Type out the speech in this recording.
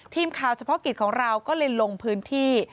ทีมข่าวเฉพาะกิจของเราก็เลยลงพื้นที่